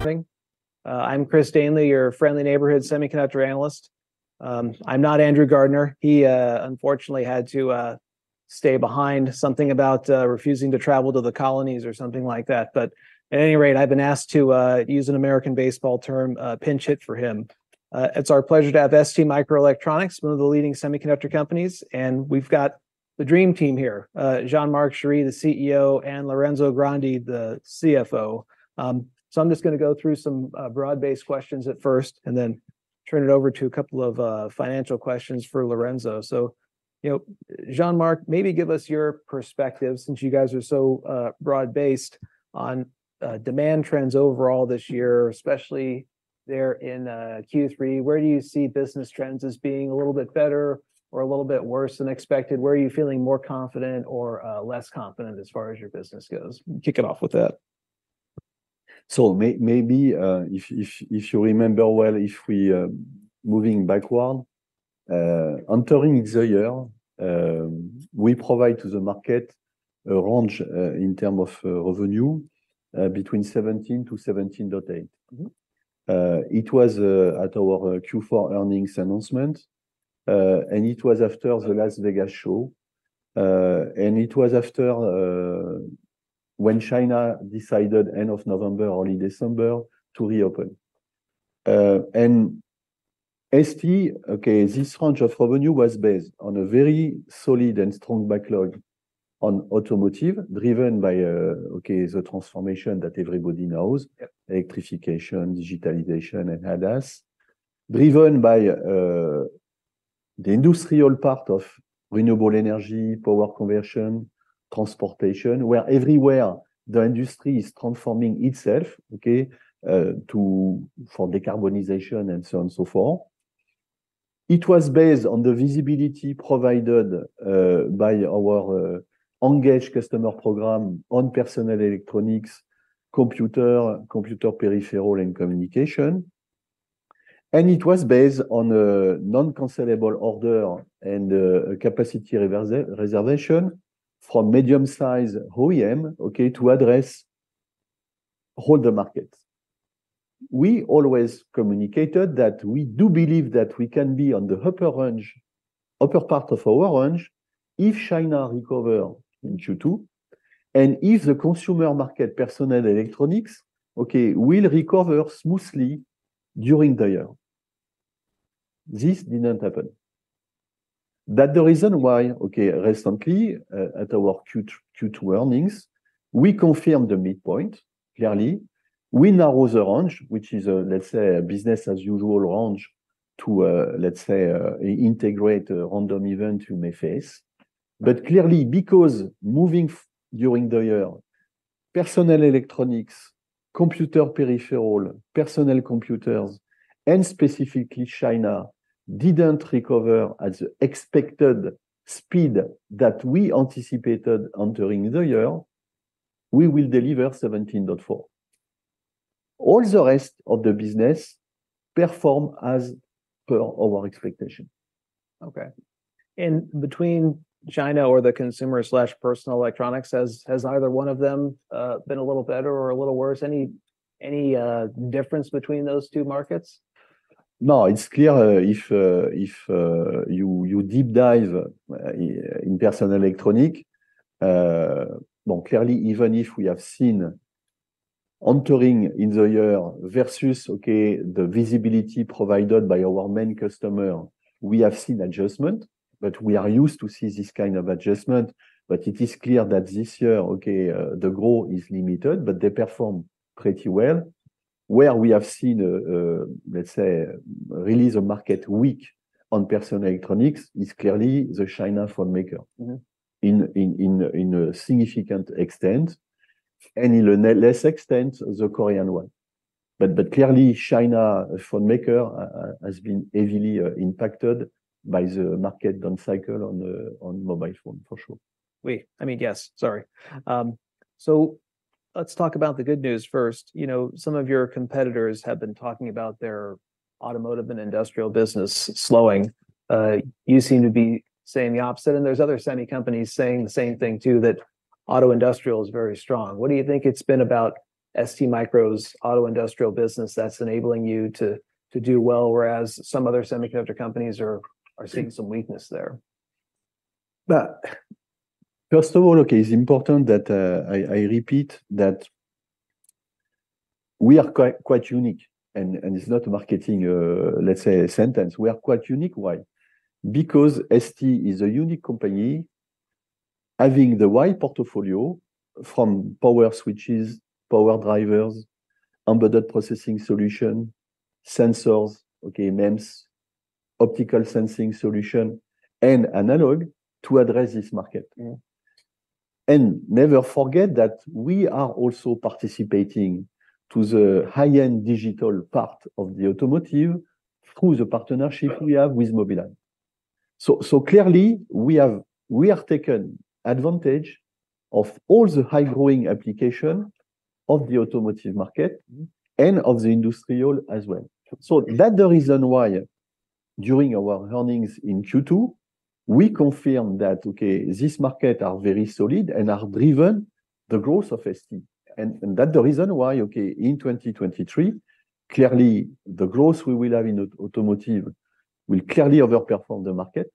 Good morning, I'm Chris Danely, your friendly neighborhood Semiconductor Analyst. I'm not Andrew Gardner. He unfortunately had to stay behind, something about refusing to travel to the colonies or something like that. But at any rate, I've been asked to use an American baseball term, pinch hit for him. It's our pleasure to have STMicroelectronics, one of the leading semiconductor companies, and we've got the dream team here, Jean-Marc Chery, the CEO, and Lorenzo Grandi, the CFO. So I'm just gonna go through some broad-based questions at first and then turn it over to a couple of financial questions for Lorenzo. So, you know, Jean-Marc, maybe give us your perspective, since you guys are so broad-based on demand trends overall this year, especially there in Q3. Where do you see business trends as being a little bit better or a little bit worse than expected? Where are you feeling more confident or, less confident as far as your business goes? Kick it off with that. So, maybe if you remember well, if we, moving backward, entering the year, we provide to the market a range in terms of revenue between $17-$17.8. Mm-hmm. It was at our Q4 earnings announcement, and it was after the Las Vegas show. It was after, when China decided, end of November, early December, to reopen. ST, okay, this range of revenue was based on a very solid and strong backlog on automotive, driven by, okay, the transformation that everybody knows. Yep Electrification, digitalization, and ADAS. Driven by the industrial part of renewable energy, power conversion, transportation, where everywhere the industry is transforming itself, okay, to for decarbonization and so on and so forth. It was based on the visibility provided by our Engaged Customer Program on personal electronics, computer, computer peripheral, and communication. And it was based on a non-cancelable order and capacity reservation from medium-sized OEM, okay, to address all the markets. We always communicated that we do believe that we can be on the upper range, upper part of our range, if China recover in Q2, and if the consumer market, personal electronics, okay, will recover smoothly during the year. This didn't happen. That the reason why, okay, recently, at our Q2 earnings, we confirmed the midpoint, clearly. We narrow the range, which is, let's say, a business-as-usual range to, let's say, integrate a random event you may face. But clearly, because moving during the year, personal electronics, computer peripheral, personal computers, and specifically China, didn't recover at the expected speed that we anticipated entering the year, we will deliver $17.4. All the rest of the business perform as per our expectation. Okay. And between China or the consumer/personal electronics, has either one of them been a little better or a little worse? Any difference between those two markets? No, it's clear if you deep dive in personal electronics, well, clearly, even if we have seen entering in the year versus, okay, the visibility provided by our main customer, we have seen adjustment, but we are used to see this kind of adjustment. But it is clear that this year, okay, the growth is limited, but they perform pretty well. Where we have seen, let's say, really the market weak on personal electronics is clearly the China phone maker. Mm-hmm In a significant extent, and in a less extent, the Korean one. But clearly, China phone maker has been heavily impacted by the market down cycle on the mobile phone, for sure. Oui. I mean, yes, sorry. So let's talk about the good news first. You know, some of your competitors have been talking about their automotive and industrial business slowing. You seem to be saying the opposite, and there's other semi companies saying the same thing, too, that auto industrial is very strong. What do you think it's been about STMicroelectronics auto industrial business that's enabling you to do well, whereas some other semiconductor companies are seeing some weakness there? Well, first of all, okay, it's important that I repeat that we are quite unique, and it's not a marketing, let's say, sentence. We are quite unique. Why? Because ST is a unique company, having the wide portfolio from power switches, power drivers, embedded processing solution, sensors, MEMS, optical sensing solution, and analog to address this market. Mm-hmm. Never forget that we are also participating to the high-end digital part of the automotive through the partnership we have with Mobileye. So, so clearly, we have, we have taken advantage of all the high-growing application of the automotive market- Mm-hmm And of the industrial as well. So that the reason why during our earnings in Q2, we confirmed that, okay, this market are very solid and are driven the growth of ST. And that the reason why, okay, in 2023, clearly, the growth we will have in automotive will clearly overperform the market,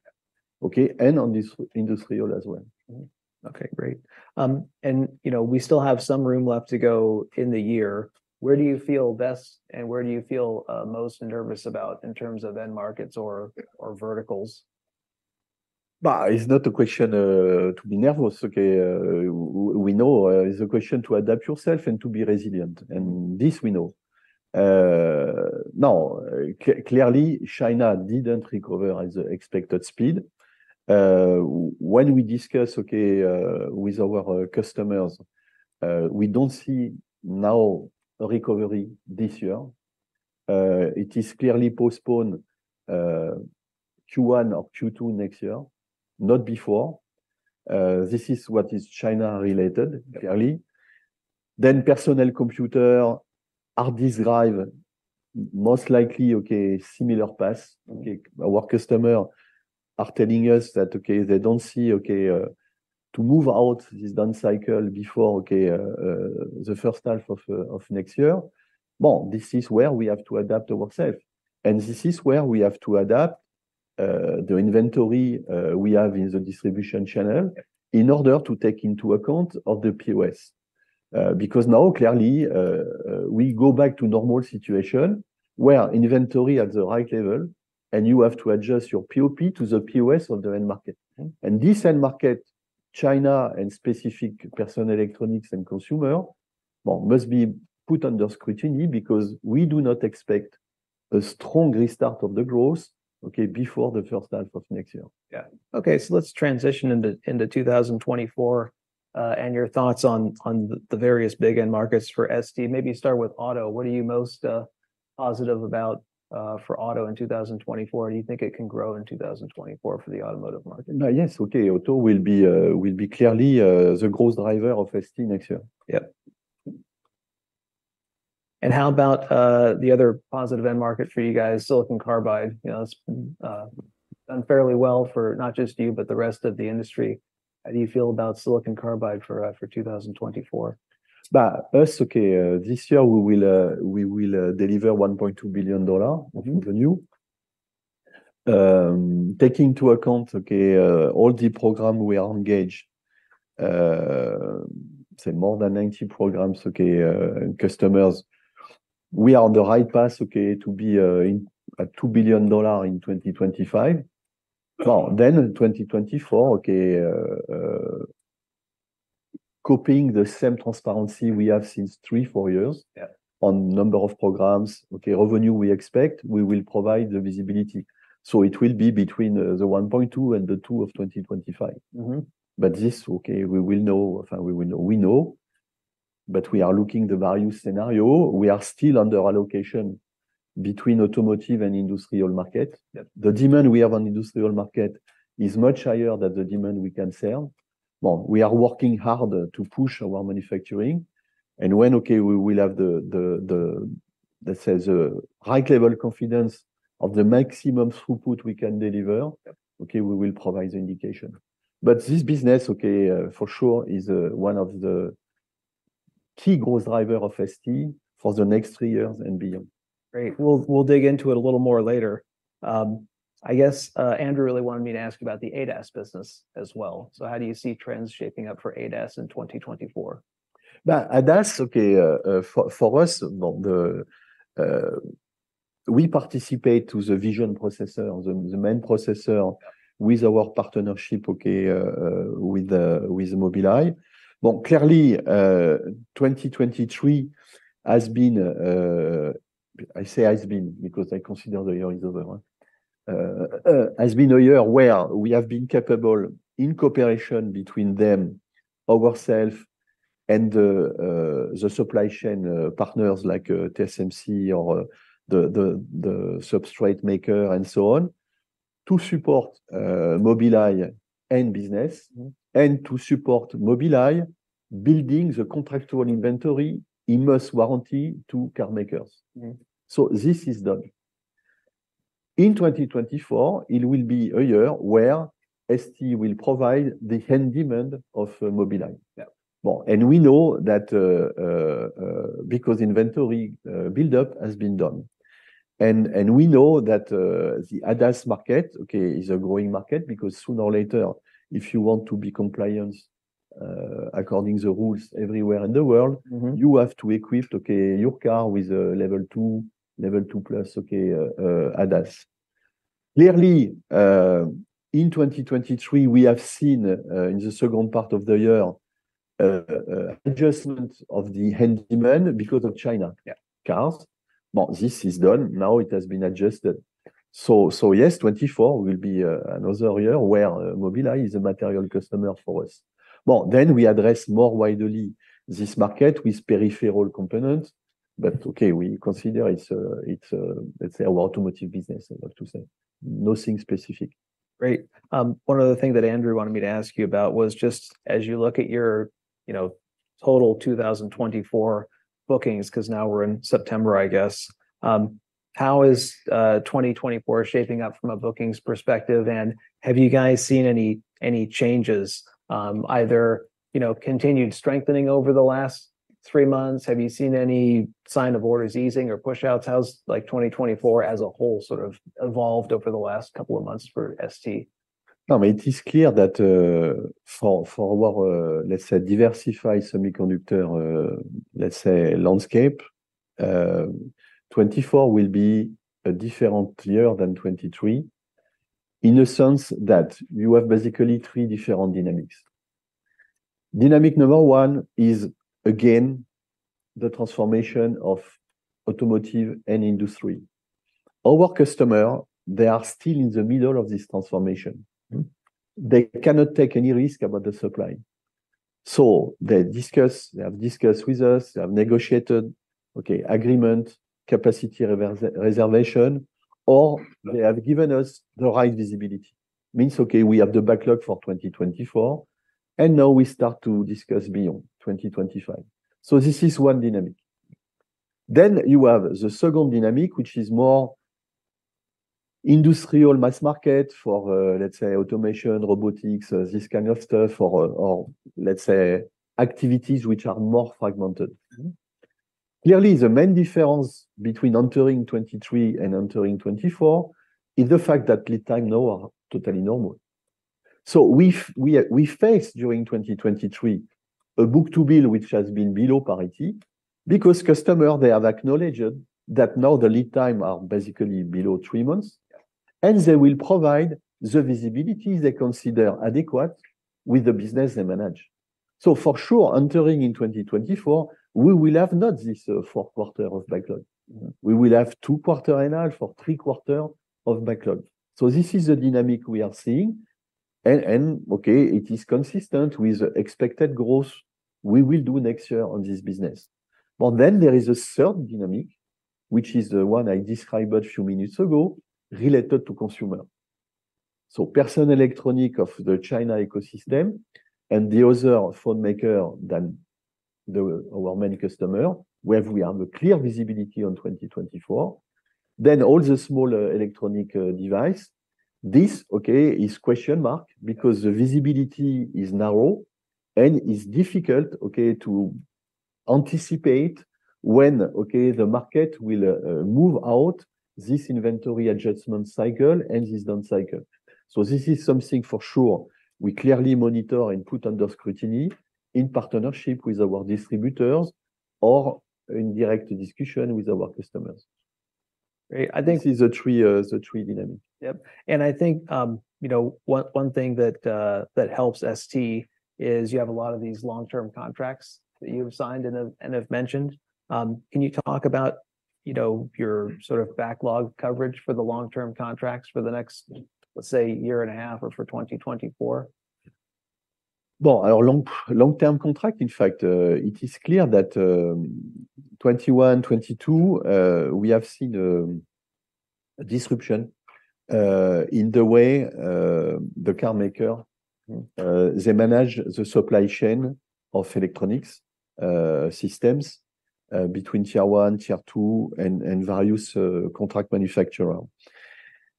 okay, and on this industrial as well. Okay, great. And, you know, we still have some room left to go in the year. Where do you feel best, and where do you feel most nervous about in terms of end markets or verticals? But it's not a question to be nervous, okay? We know it's a question to adapt yourself and to be resilient, and this we know. Now, clearly, China didn't recover at the expected speed. When we discuss, okay, with our customers, we don't see now a recovery this year. It is clearly postponed, Q1 or Q2 next year, not before. This is what is China-related, clearly. Then personal computer hard drive, most likely, okay, similar path. Mm-hmm. Okay. Our customer are telling us that they don't see to move out this down cycle before the first half of next year. Well, this is where we have to adapt ourselves, and this is where we have to adapt the inventory we have in the distribution channel in order to take into account of the POS. Because now, clearly, we go back to normal situation, where inventory at the right level, and you have to adjust your POP to the POS of the end market. Mm-hmm. This end market, China and specific personal electronics and consumer, well, must be put under scrutiny because we do not expect a strong restart of the growth, okay, before the first half of next year. Yeah. Okay, so let's transition into, into 2024, and your thoughts on, on the various big end markets for ST. Maybe start with auto. What are you most positive about for auto in 2024? Do you think it can grow in 2024 for the automotive market? No, yes, okay. Auto will be clearly the growth driver of ST next year. Yep. And how about the other positive end market for you guys, Silicon Carbide? You know, it's done fairly well for not just you, but the rest of the industry. How do you feel about Silicon Carbide for 2024? But us, okay, this year we will, we will, deliver $1.2 billion- Mm-hmm Of revenue. Taking into account all the program we are engaged, say more than 90 programs, customers, we are on the right path, to be in at $2 billion in 2025. Mm-hmm. Well, then in 2024, okay, copying the same transparency we have since three, four years- Yeah On number of programs, okay, revenue we expect, we will provide the visibility. So it will be between the $1.2 and the $2 of 2025. Mm-hmm. But this. Okay, we will know. We know, but we are looking the value scenario. We are still under allocation between automotive and industrial market. Yeah. The demand we have on industrial market is much higher than the demand we can sell. Well, we are working harder to push our manufacturing, and okay, we will have the, let's say, the high-level confidence of the maximum throughput we can deliver- Yep Okay, we will provide the indication. But this business, okay, for sure, is one of the key growth driver of ST for the next three years and beyond. Great. We'll, we'll dig into it a little more later. I guess, Andrew really wanted me to ask about the ADAS business as well. So how do you see trends shaping up for ADAS in 2024? But ADAS, okay, for us, well, we participate to the vision processor, the main processor with our partnership, okay, with Mobileye. Well, clearly, 2023 has been... I say has been because I consider the year is over, has been a year where we have been capable in cooperation between them, ourselves, and the supply chain partners like TSMC or the substrate maker and so on, to support Mobileye end business- Mm-hmm And to support Mobileye building the contractual inventory in mass warranty to car makers. Mm-hmm. This is done. In 2024, it will be a year where ST will provide the end demand of Mobileye. Yeah. Well, and we know that, because inventory buildup has been done. And we know that, the ADAS market, okay, is a growing market because sooner or later, if you want to be compliant, according the rules everywhere in the world- Mm-hmm You have to equip, okay, your car with a level two, level two plus, okay, ADAS. Clearly, in 2023, we have seen, in the second part of the year, adjustment of the end demand because of China- Yeah Cars. Well, this is done. Now it has been adjusted. So yes, 2024 will be another year where Mobileye is a material customer for us. Well, then we address more widely this market with peripheral components, but okay, we consider it's a, it's a, let's say, our automotive business, I have to say. Nothing specific. Great. One other thing that Andrew wanted me to ask you about was just as you look at your, you know, total 2024 bookings, 'cause now we're in September, I guess, how is 2024 shaping up from a bookings perspective? And have you guys seen any, any changes, either, you know, continued strengthening over the last three months? Have you seen any sign of orders easing or push-outs? How's, like, 2024 as a whole sort of evolved over the last couple of months for ST? No, but it is clear that for our let's say diversified semiconductor let's say landscape, 2024 will be a different year than 2023, in the sense that you have basically three different dynamics. Dynamic number one is, again, the transformation of automotive and industry. Our customer, they are still in the middle of this transformation. Mm-hmm. They cannot take any risk about the supply. So they discuss. They have discussed with us, they have negotiated, okay, agreement, capacity reservation, or they have given us the right visibility. Means, okay, we have the backlog for 2024, and now we start to discuss beyond 2025. So this is one dynamic. Then you have the second dynamic, which is more industrial mass market for let's say automation, robotics, this kind of stuff, or let's say activities which are more fragmented. Mm-hmm. Clearly, the main difference between entering 2023 and entering 2024 is the fact that lead time now are totally normal. So we faced, during 2023, a book-to-bill, which has been below parity, because customer, they have acknowledged that now the lead time are basically below three months, and they will provide the visibility they consider adequate with the business they manage. So for sure, entering in 2024, we will have not this, four quarters of backlog. We will have two quarters and a half or three quarters of backlog. So this is the dynamic we are seeing, and okay, it is consistent with the expected growth we will do next year on this business. But then there is a third dynamic, which is the one I described a few minutes ago, related to consumer. So personal electronics of the China ecosystem and the other phone maker than the— our main customer, where we have a clear visibility on 2024, then all the smaller electronics, devices. This, okay, is question mark, because the visibility is narrow, and it's difficult, okay, to anticipate when, okay, the market will move out this inventory adjustment cycle and this down cycle. So this is something for sure we clearly monitor and put under scrutiny in partnership with our distributors or in direct discussion with our customers. Great. I think these are three, the three dynamics. Yep, and I think, you know, one thing that helps ST is you have a lot of these long-term contracts that you've signed and have mentioned. Can you talk about, you know, your sort of backlog coverage for the long-term contracts for the next, let's say, year and a half or for 2024? Well, our long, long-term contract, in fact, it is clear that, 2021, 2022, we have seen a disruption in the way the car maker they manage the supply chain of electronics systems between Tier 1, Tier 2, and various contract manufacturer.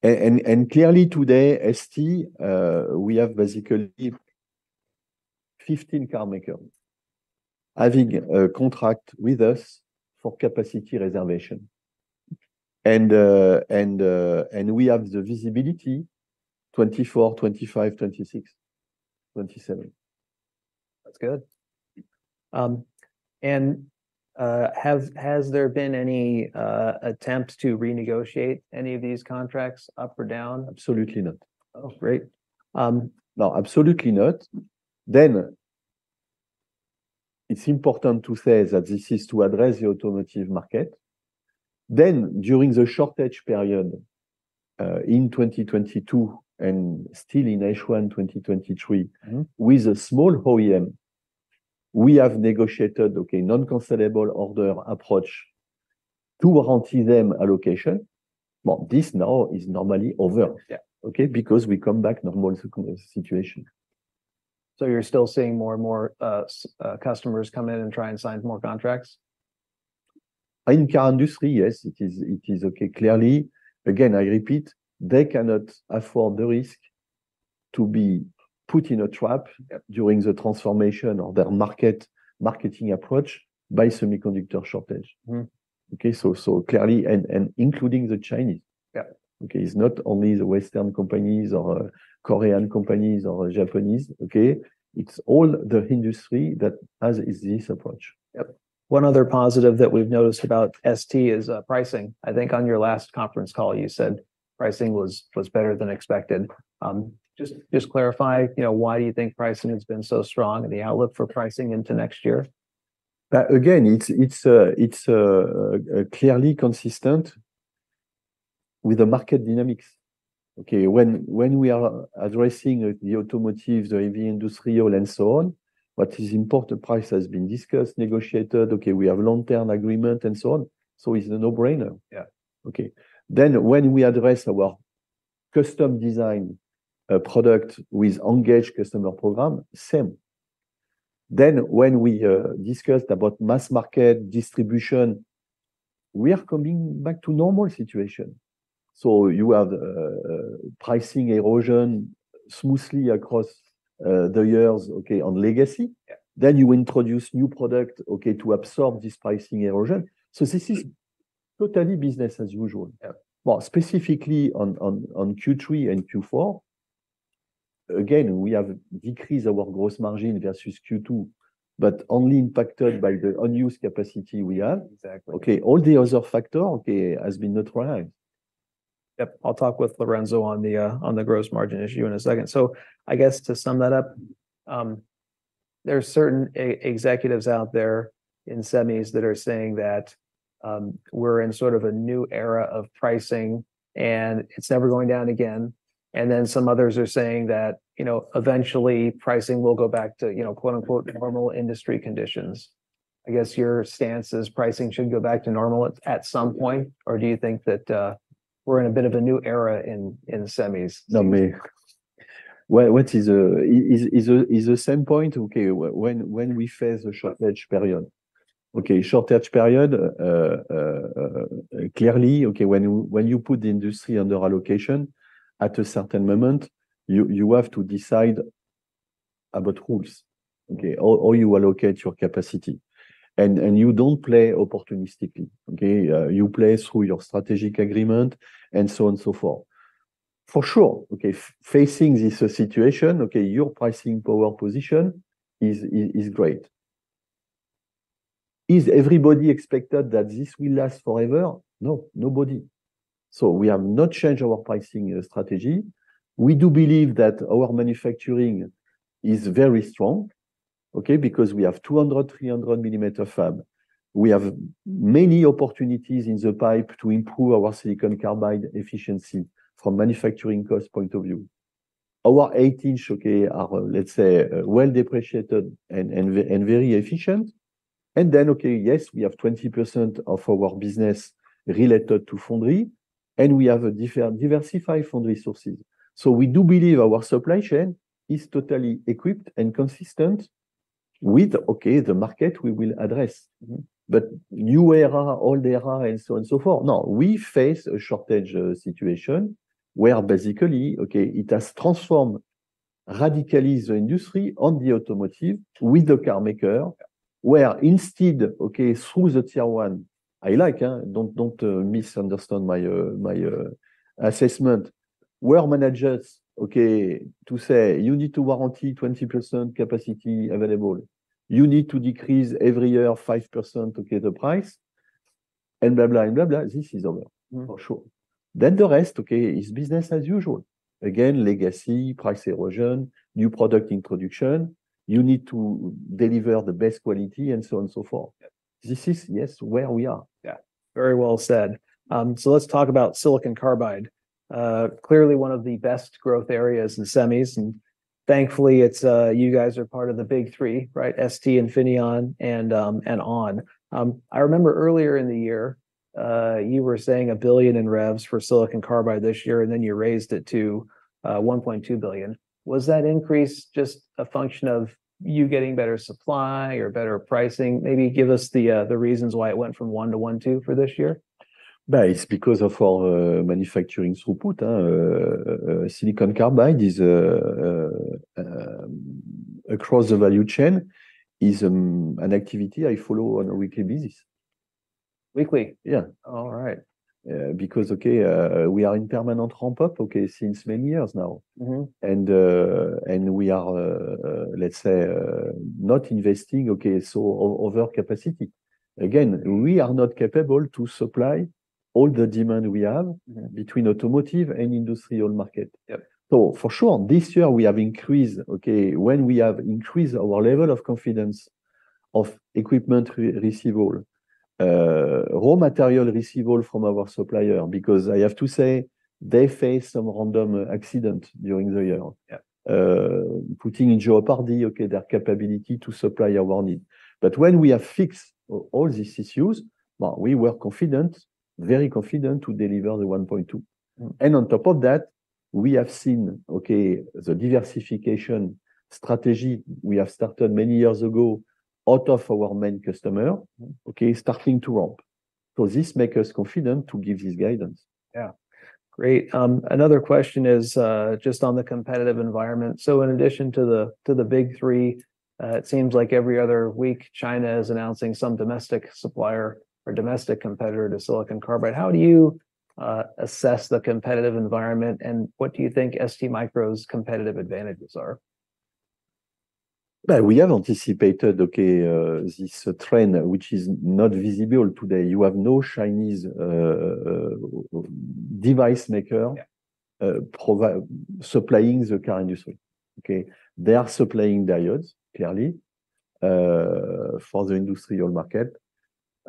And clearly today, ST, we have basically 15 carmaker having a contract with us for capacity reservation. And we have the visibility 2024, 2025, 2026, 2027. That's good. Has there been any attempt to renegotiate any of these contracts up or down? Absolutely not. Oh, great. No, absolutely not. Then it's important to say that this is to address the automotive market. Then, during the shortage period, in 2022 and still in H1 2023- Mm-hmm With a small OEM, we have negotiated, okay, non-cancelable order approach to guarantee them allocation. Well, this now is normally over. Yeah. Okay? Because we come back normal situation. So you're still seeing more and more customers come in and try and sign more contracts? In car industry, yes, it is, it is okay. Clearly, again, I repeat, they cannot afford the risk to be put in a trap- Yeah During the transformation of their marketing approach by semiconductor shortage. Mm-hmm. Okay, so clearly, and including the Chinese. Yeah. Okay, it's not only the Western companies or Korean companies or Japanese, okay? It's all the industry that has is this approach. Yep. One other positive that we've noticed about ST is pricing. I think on your last conference call, you said pricing was better than expected. Just clarify, you know, why you think pricing has been so strong and the outlook for pricing into next year. Again, it's clearly consistent with the market dynamics. Okay, when we are addressing the automotive, the EV, industrial, and so on. What is important, price has been discussed, negotiated, okay, we have long-term agreement, and so on. So it's a no-brainer. Yeah. Okay. Then when we address our custom design product with engaged customer program, same. Then when we discussed about mass market distribution, we are coming back to normal situation. So you have pricing erosion smoothly across the years, okay, on legacy. Yeah. Then you introduce new product, okay, to absorb this pricing erosion. So this is totally business as usual. Yeah. Well, specifically on Q3 and Q4, again, we have decreased our gross margin versus Q2, but only impacted by the unused capacity we have. Exactly. Okay, all the other factor, okay, has been neutralized. Yep, I'll talk with Lorenzo on the gross margin issue in a second. So I guess to sum that up, there are certain executives out there in semis that are saying that we're in sort of a new era of pricing, and it's never going down again. And then some others are saying that, you know, eventually pricing will go back to, you know, quote, unquote, "normal industry conditions". I guess your stance is pricing should go back to normal at some point? Or do you think that we're in a bit of a new era in semis? No, well, what is the same point, okay, when we face a shortage period. Okay, shortage period, clearly, okay, when you put the industry under allocation, at a certain moment, you have to decide about rules, okay? How you allocate your capacity, and you don't play opportunistically, okay? You play through your strategic agreement, and so on and so forth. For sure, okay, facing this situation, okay, your pricing power position is great. Is everybody expected that this will last forever? No, nobody. So we have not changed our pricing strategy. We do believe that our manufacturing is very strong, okay, because we have 200 mm, 300 mm fab. We have many opportunities in the pipe to improve our Silicon Carbide efficiency from manufacturing cost point of view. Our 8'', okay, are, let's say, well depreciated and very efficient. And then, okay, yes, we have 20% of our business related to foundry, and we have diversified foundry sources. So we do believe our supply chain is totally equipped and consistent with, okay, the market we will address. Mm. But new era, old era, and so on, so forth. Now, we face a shortage, situation, where basically, okay, it has transformed radically the industry on the automotive with the car maker- Yeah Where instead, okay, through the tier one, I like, don't misunderstand my assessment. Where managers, okay, to say, "You need to warranty 20% capacity available. You need to decrease every year 5% to get the price," and blah, blah, and blah, blah, this is over- Mm For sure. Then the rest, okay, is business as usual. Again, legacy, price erosion, new product introduction, you need to deliver the best quality, and so on, so forth. Yeah. This is, yes, where we are. Yeah. Very well said. Let's talk about Silicon Carbide. Clearly one of the best growth areas in semis, and thankfully, it's you guys are part of the big three, right? ST, Infineon, and ON. I remember earlier in the year, you were saying $1 billion in revs for Silicon Carbide this year, and then you raised it to $1.2 billion. Was that increase just a function of you getting better supply or better pricing? Maybe give us the reasons why it went from $1 billion to $1.2 billion for this year. Well, it's because of our manufacturing throughput... Silicon carbide is across the value chain, is an activity I follow on a weekly basis. Weekly? Yeah. All right. Because, okay, we are in permanent ramp-up, okay, since many years now. Mm-hmm. We are, let's say, not investing, okay, so over capacity. Again, we are not capable to supply all the demand we have- Mm Between automotive and industrial market. Yep. So for sure, this year we have increased, okay? When we have increased our level of confidence of equipment receivable, raw material receivable from our supplier, because I have to say, they faced some random accident during the year- Yeah Putting in jeopardy, okay, their capability to supply our need. But when we have fixed all these issues, well, we were confident, very confident, to deliver the one point two. Mm. On top of that, we have seen, okay, the diversification strategy we have started many years ago out of our main customer- Mm Okay, starting to ramp. So this make us confident to give this guidance. Yeah. Great, another question is, just on the competitive environment. So in addition to the, to the big three, it seems like every other week, China is announcing some domestic supplier or domestic competitor to Silicon Carbide. How do you, assess the competitive environment, and what do you think STMicroelectronics' competitive advantages are? Well, we have anticipated, okay, this trend, which is not visible today. You have no Chinese device maker- Yeah Supplying the car industry, okay? They are supplying diodes, clearly, for the industrial market.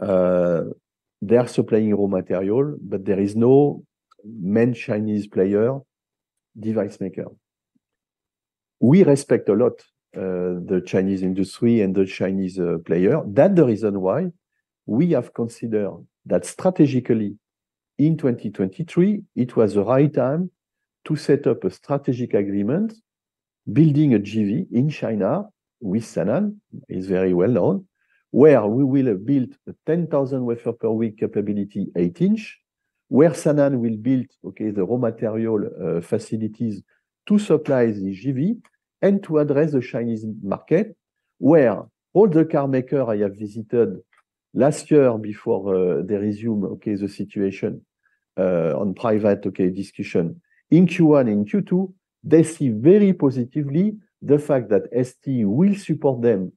They are supplying raw material, but there is no main Chinese player, device maker. We respect a lot, the Chinese industry and the Chinese, player. That's the reason why we have considered that strategically, in 2023, it was the right time to set up a strategic agreement, building a JV in China with Sanan, is very well known, where we will have built a 10,000 wafer per week capability, 8''. Where Sanan will build, okay, the raw material, facilities to supply the JV and to address the Chinese market, where all the car maker I have visited last year before, they resume, okay, the situation, on private, okay, discussion. In Q1, in Q2, they see very positively the fact that ST will support them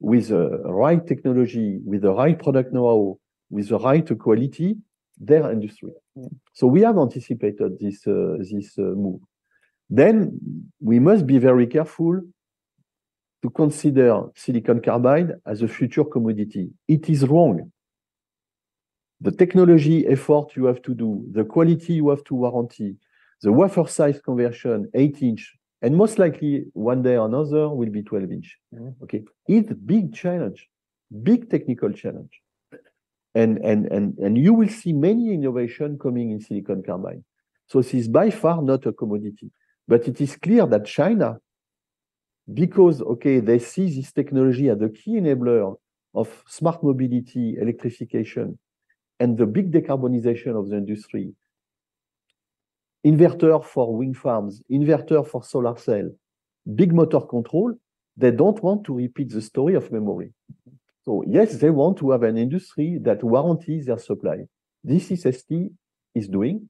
with the right technology, with the right product know-how, with the right quality, their industry. So we have anticipated this move. Then we must be very careful to consider Silicon Carbide as a future commodity. It is wrong. The technology effort you have to do, the quality you have to warranty, the wafer size conversion, 8'', and most likely one day or another will be 12''. Mm-hmm. Okay? It's big challenge, big technical challenge. You will see many innovation coming in Silicon Carbide. So it is by far not a commodity. But it is clear that China, they see this technology as a key enabler of smart mobility, electrification, and the big decarbonization of the industry. Inverter for wind farms, inverter for solar cell, big motor control, they don't want to repeat the story of memory. So yes, they want to have an industry that warranties their supply. This is ST is doing,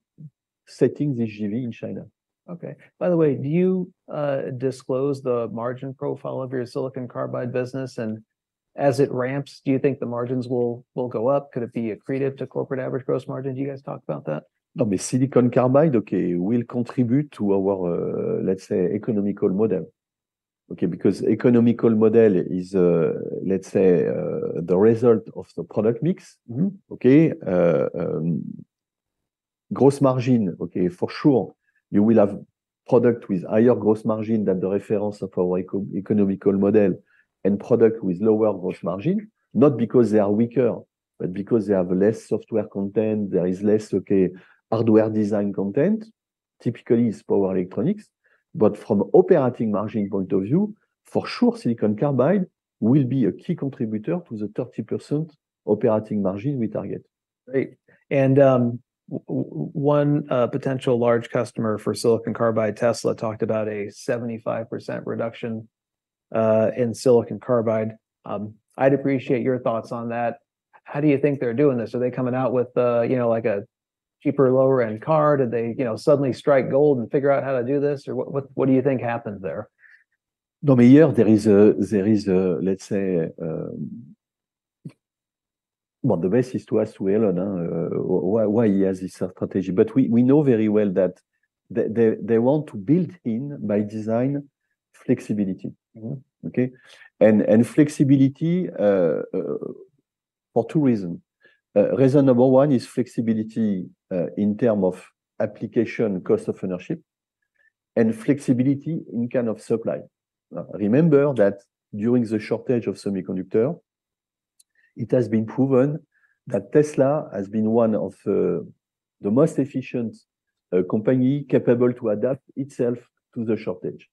setting the JV in China. Okay. By the way, do you disclose the margin profile of your Silicon Carbide business? And as it ramps, do you think the margins will go up? Could it be accretive to corporate average gross margin? Do you guys talk about that? No, but Silicon Carbide, okay, will contribute to our, let's say, economical model. Okay, because economical model is, let's say, the result of the product mix. Mm-hmm. Okay, gross margin, okay, for sure, you will have product with higher gross margin than the reference of our eco-economical model, and product with lower gross margin. Not because they are weaker, but because they have less software content, there is less, okay, hardware design content, typically is power electronics. But from operating margin point of view, for sure, Silicon Carbide will be a key contributor to the 30% operating margin we target. Great. One potential large customer for silicon carbide, Tesla, talked about a 75% reduction in silicon carbide. I'd appreciate your thoughts on that. How do you think they're doing this? Are they coming out with, you know, like a cheaper, lower-end car? Did they, you know, suddenly strike gold and figure out how to do this? Or what, what, what do you think happened there? No, but yeah, there is a, let's say... Well, the best is to ask to Elon why he has this strategy. But we know very well that they want to build in by design, flexibility. Mm-hmm. Okay? And flexibility for two reasons. Reason number one is flexibility in terms of application, cost of ownership, and flexibility in kind of supply. Now, remember that during the shortage of semiconductors, it has been proven that Tesla has been one of the most efficient companies capable to adapt itself to the shortage.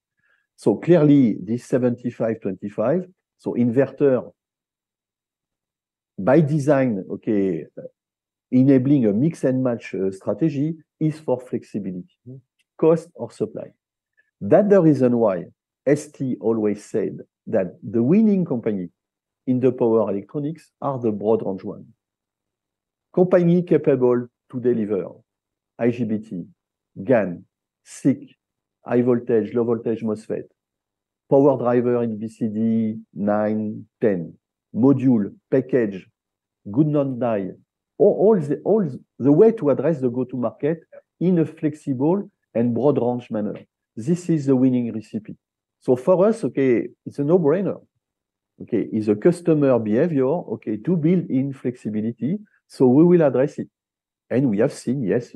So clearly, this 75/25 SiC inverter by design, okay, enabling a mix-and-match strategy is for flexibility- Mm-hmm Cost or supply. That's the reason why ST always said that the winning company in the power electronics are the broad range one. Company capable to deliver IGBT, GaN, SiC, high voltage, low voltage MOSFET, power driver in BCD 9, 10, module, package, good non-die, all the way to address the go-to market in a flexible and broad range manner. This is the winning recipe. So for us, okay, it's a no-brainer. Okay, it's a customer behavior, okay, to build in flexibility, so we will address it. And we have seen, yes,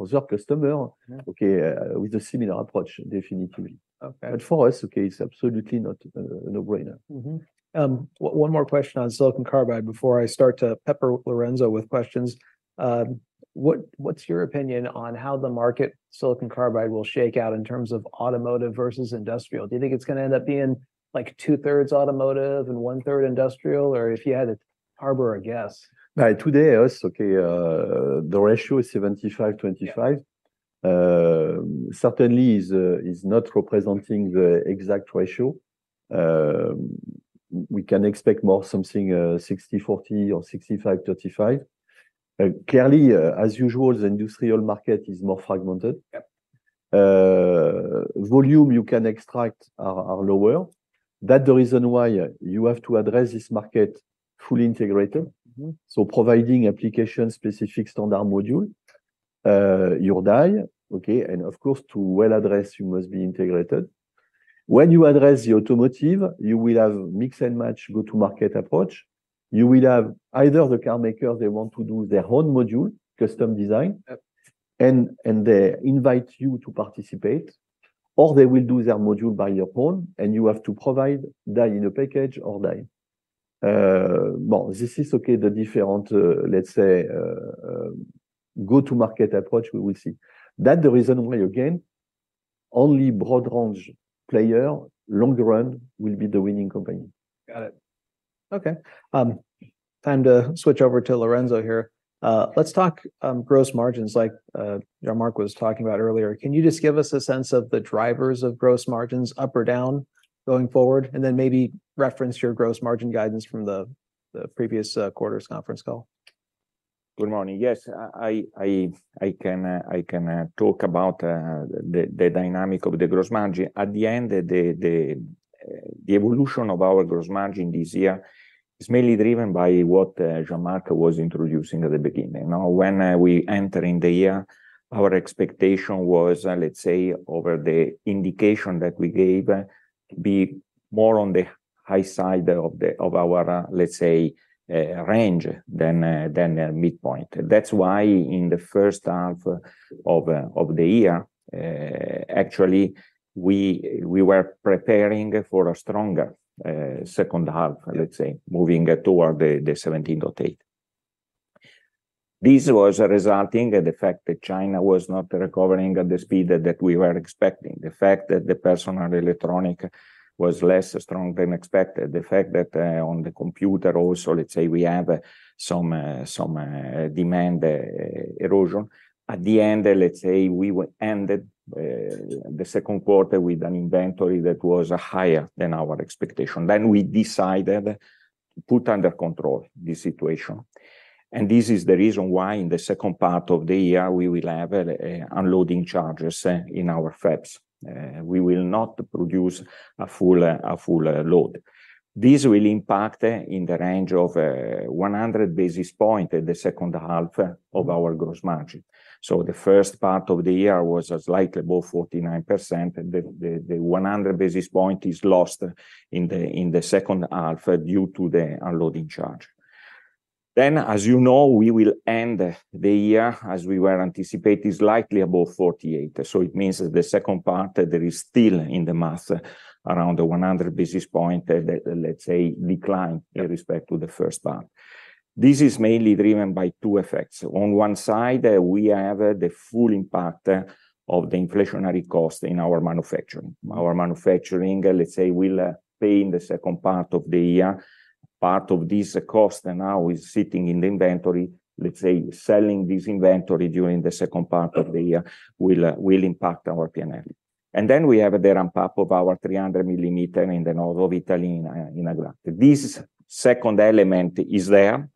other customer- Yeah Okay, with a similar approach, definitely. Okay. But for us, okay, it's absolutely not a no-brainer. Mm-hmm. One more question on Silicon Carbide before I start to pepper Lorenzo with questions. What's your opinion on how the market Silicon Carbide will shake out in terms of automotive versus industrial? Do you think it's gonna end up being like two-thirds automotive and one-third industrial, or if you had to harbor a guess? By today, the ratio is 75/25. Yeah. Certainly is not representing the exact ratio. We can expect more something, 60/40 or 65/35. Clearly, as usual, the industrial market is more fragmented. Yep. Volume you can extract are lower. That the reason why you have to address this market fully integrated. Mm-hmm. So, providing application-specific standard module, your die, okay, and of course, to well address, you must be integrated... When you address the automotive, you will have mix-and-match go-to-market approach. You will have either the car maker, they want to do their own module, custom design- Yep. And they invite you to participate, or they will do their module by your own, and you have to provide that in a package or that. Well, this is okay, the different, let's say, go-to-market approach we will see. That the reason why, again, only broad range player, long run, will be the winning company. Got it. Okay, time to switch over to Lorenzo here. Let's talk gross margins like Jean-Marc was talking about earlier. Can you just give us a sense of the drivers of gross margins up or down going forward? And then maybe reference your gross margin guidance from the previous quarter's conference call. Good morning. Yes, I can talk about the dynamic of the gross margin. At the end, the evolution of our gross margin this year is mainly driven by what Jean-Marc was introducing at the beginning. Now, when we enter in the year, our expectation was, let's say, over the indication that we gave, be more on the high side of the—of our, let's say, range than the midpoint. That's why in the first half of the year, actually, we were preparing for a stronger second half, let's say, moving toward the 17.8. This was resulting in the fact that China was not recovering at the speed that we were expecting, the fact that the personal electronic was less strong than expected, the fact that on the computer also, let's say, we have some demand erosion. At the end, let's say, we ended the second quarter with an inventory that was higher than our expectation. Then we decided to put under control the situation. And this is the reason why in the second part of the year, we will have unloading charges in our fabs. We will not produce a full load. This will impact in the range of 100 basis points at the second half of our gross margin. So the first part of the year was slightly above 49%, and the 100 basis points is lost in the second half due to the unloading charge. Then, as you know, we will end the year, as we were anticipate, is likely above 48. So it means that the second part, there is still in the mass around the 100 basis points, let's say, decline with respect to the first part. This is mainly driven by two effects. On one side, we have the full impact of the inflationary cost in our manufacturing. Our manufacturing, let's say, will pay in the second part of the year. Part of this cost now is sitting in the inventory. Let's say, selling this inventory during the second part of the year will impact our P&L. And then we have there on top of our 300 mm in the new Italy in Agrate. This second element is there,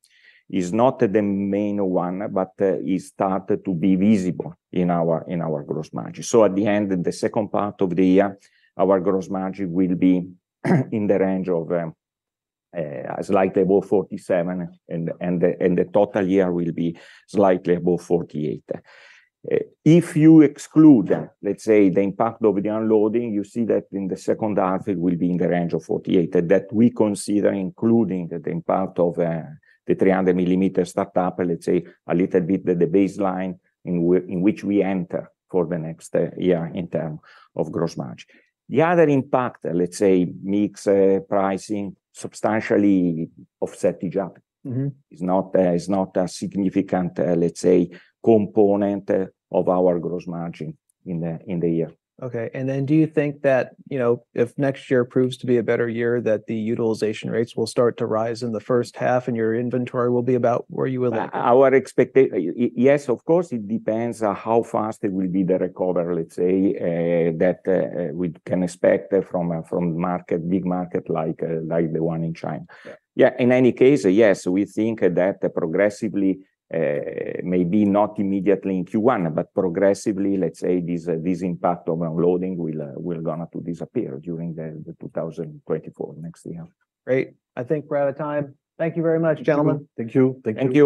is not the main one, but it started to be visible in our gross margin. So at the end, in the second part of the year, our gross margin will be in the range of slightly above 47%, and the total year will be slightly above 48%. If you exclude, let's say, the impact of the unloading, you see that in the second half, it will be in the range of 48%, that we consider including the impact of the 300 mm start up, let's say, a little bit the baseline in which we enter for the next year in terms of gross margin. The other impact, let's say, mix, pricing, substantially offset each other. Mm-hmm. Is not, is not a significant, let's say, component of our gross margin in the, in the year. Okay. And then do you think that, you know, if next year proves to be a better year, that the utilization rates will start to rise in the first half, and your inventory will be about where you would like? Our expectation. Yes, of course, it depends on how fast it will be the recovery, let's say, that we can expect from a, from market, big market like, like the one in China. Yeah, in any case, yes, we think that progressively, maybe not immediately in Q1, but progressively, let's say, this, this impact of unloading will, will gonna to disappear during the, the 2024, next year. Great. I think we're out of time. Thank you very much, gentlemen. Thank you. Thank you.